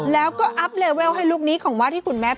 แล้วก็อัพเลเวลให้ลูกนี้ของว่าที่คุณแม่